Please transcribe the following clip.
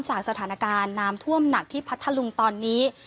จากสถานการณ์น้ำท่วมหนักที่พัทธลุงตอนนี้